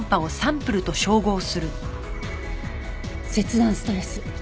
切断ストレス。